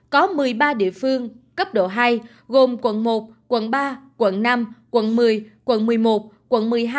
có một mươi ba địa phương cấp độ hai gồm quận một quận ba quận năm quận một mươi quận một mươi một quận một mươi hai